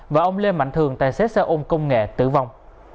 và ông lê mạnh thường tài xế xe ôm công nghệ tử vong